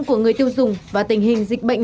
của người tiêu dùng và tình hình dịch bệnh